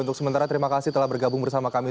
untuk sementara terima kasih telah bergabung bersama kami